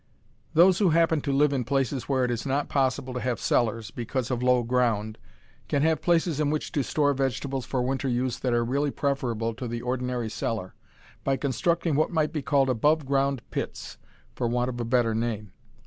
Those who happen to live in places where it is not possible to have cellars, because of low ground, can have places in which to store vegetables for winter use that are really preferable to the ordinary cellar, by constructing what might be called above ground pits, for want of a better name.